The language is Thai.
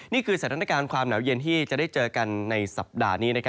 นี่คือสถานการณ์ความหนาวเย็นที่จะได้เจอกันในสัปดาห์นี้